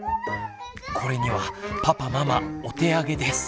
これにはパパママお手上げです。